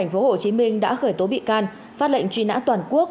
ngày ba mươi tháng một công an tp hcm đã khởi tố bị can phát lệnh truy nã toàn quốc